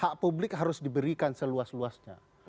hak publik harus diberikan seluas luas dulu